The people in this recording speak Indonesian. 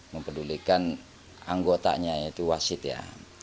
mempedulikan anggotanya yaitu wasit ya